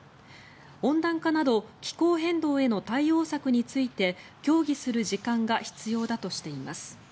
温暖化など気候変動への対応策について協議する時間が必要だとしています。